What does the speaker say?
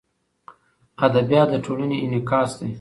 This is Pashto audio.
ادبیات د ټولنې انعکاس دی.